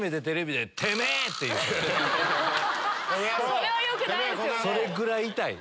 それはよくないですよね。